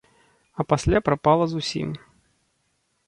А пасля прапала зусім.